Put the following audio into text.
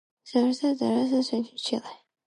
Jose Toribio Medina was born in Santiago, Chile.